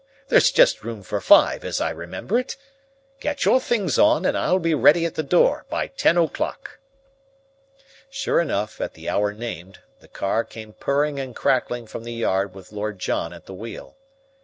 There's just room for five, as I remember it. Get your things on, and I'll be ready at the door by ten o'clock." Sure enough, at the hour named, the car came purring and crackling from the yard with Lord John at the wheel.